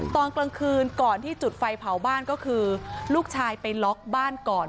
ตอนกลางคืนก่อนที่จุดไฟเผาบ้านก็คือลูกชายไปล็อกบ้านก่อน